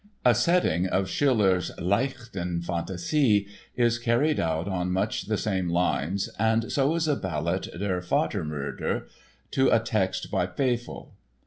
A setting of Schiller's Leichenphantasie is carried out on much the same lines and so is a ballad, Der Vatermörder, to a text by Pfeffel.